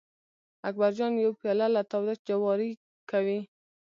اکبر جان یو پیاله له تاوده جواري کوي.